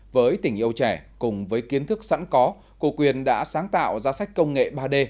với tình yêu trẻ cùng với kiến thức sẵn có cô quyên đã sáng tạo ra sách công nghệ ba d